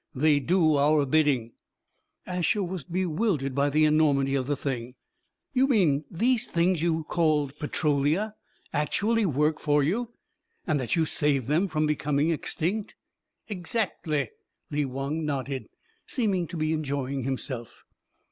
They do our bidding." Asher was bewildered by the enormity of the thing. "You mean these Things you have called Petrolia actually work for you? And that you saved them from becoming extinct?" "Exactly," Lee Wong nodded, seeming to be enjoying himself.